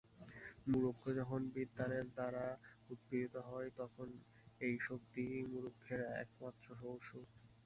মূর্খ যখন বিদ্বানের দ্বারা উৎপীড়িত হয়, তখন এই শক্তিই মূর্খের একমাত্র ঔষধ।